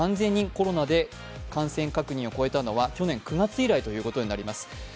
３０００人、コロナで感染確認を超えたのは去年９月以来のことだそうです